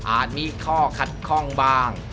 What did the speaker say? อาจมีข้อคัดคล่องบาง